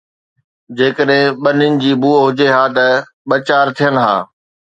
جيڪڏهن ٻنين جي بوءِ هجي ها ته ٻه چار ٿين ها